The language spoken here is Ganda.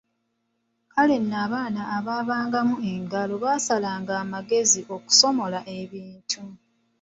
Kale nno abaana abaabangamu engalo, baasalanga amagezi okusomola ebintu.